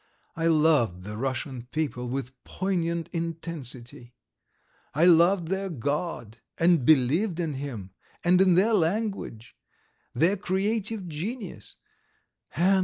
I loved the Russian people with poignant intensity; I loved their God and believed in Him, and in their language, their creative genius.